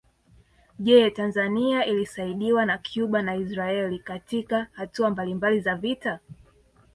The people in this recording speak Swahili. Je Tanzania ilisaidiwa na Cuba na Israeli Katika hatua mbalimbali za vita